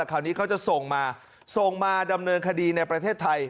คราวนี้เขาจะส่งมาส่งมาดำเนินคดีในประเทศไทย